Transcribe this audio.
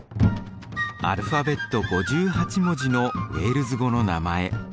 アルファベット５８文字のウェールズ語の名前。